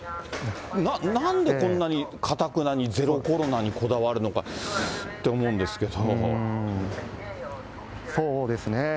なんでこんなにかたくなにゼロコロナにこだわるのかって思うんでそうですね。